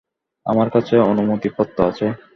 আমার কাছে অনুমতিপত্র আছে।